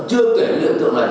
chưa kể những điều tượng này